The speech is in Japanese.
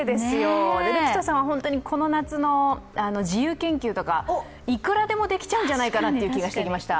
本当のこの夏の自由研究とかいくらでもできちゃうんじゃないかなという気がしてきました。